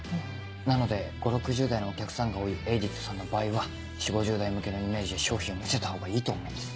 なので５０６０代のお客さんが多いエイディットさんの場合は４０５０代向けのイメージで商品を見せたほうがいいと思うんです。